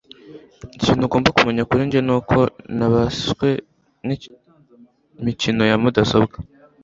Ikintu ugomba kumenya kuri njye nuko nabaswe nimikino ya mudasobwa.